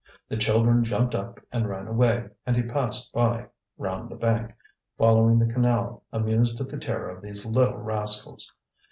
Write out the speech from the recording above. The children jumped up and ran away, and he passed by round the bank, following the canal, amused at the terror of these little rascals.